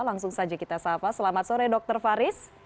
langsung saja kita sapa selamat sore dr faris